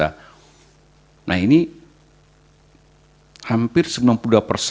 ada peningkatan dukungan politik terhadap partai berkuasa